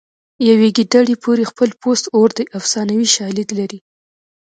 په ګیدړې پورې خپل پوست اور دی افسانوي شالید لري